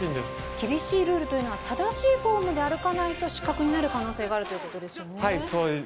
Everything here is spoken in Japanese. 厳しいルールというのは正しいフォームで歩かないと失格になる可能性があるということですよね。